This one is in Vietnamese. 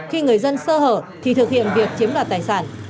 khi người dân sơ hở thì thực hiện việc chiếm đoạt tài sản